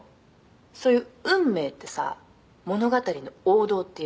「そういう運命ってさ物語の王道っていうか」